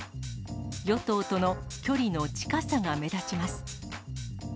与党との距離の近さが目立ちます。